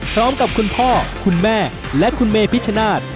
พร้อมกับคุณพ่อคุณแม่และคุณเมพิชชนาธิ์